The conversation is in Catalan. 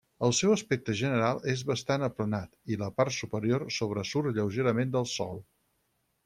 El seu aspecte general és bastant aplanat i la part superior sobresurt lleugerament del sòl.